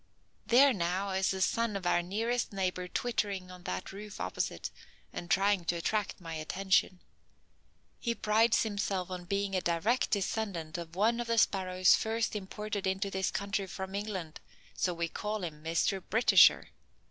"There, now, is the son of our nearest neighbor twittering on that roof opposite and trying to attract my attention. He prides himself on being a direct descendant of one of the sparrows first imported into this country from England, so we call him Mr. Britisher.